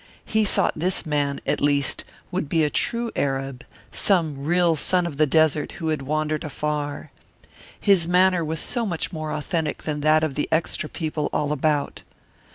He thought this man, at least, would be a true Arab, some real son of the desert who had wandered afar. His manner was so much more authentic than that of the extra people all about.